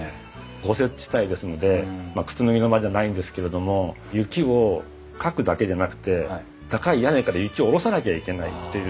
豪雪地帯ですので靴脱ぎの間じゃないんですけれども雪をかくだけでなくて高い屋根から雪を下ろさなきゃいけないっていう。